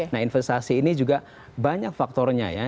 nah investasi ini juga banyak faktornya ya